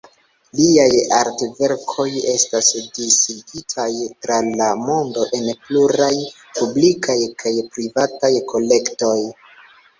Liaj artverkoj estas disigitaj tra la mondo en pluraj publikaj kaj privataj kolektoj.